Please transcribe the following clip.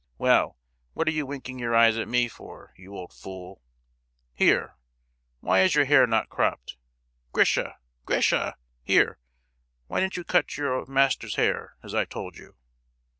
Well, what are you winking your eyes at me for, you old fool?—Here, why is his hair not cropped? Grisha, Grisha!—here; why didn't you cut your master's hair, as I told you?"